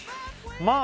まあ